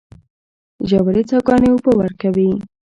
ژورې څاګانې اوبه ورکوي.